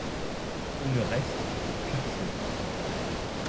Il n'y reste qu'une saison.